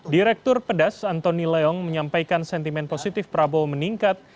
direktur pedas antoni leong menyampaikan sentimen positif prabowo meningkat